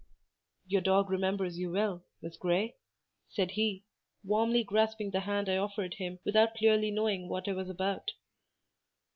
"Your dog remembers you well, Miss Grey," said he, warmly grasping the hand I offered him without clearly knowing what I was about.